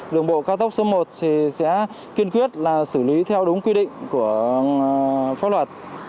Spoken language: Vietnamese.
đường bộ cao tốc số một sẽ kiên quyết là xử lý theo đúng quy định của pháp luật